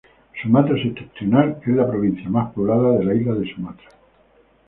Sumatra Septentrional es la provincia más poblada de la isla de Sumatra.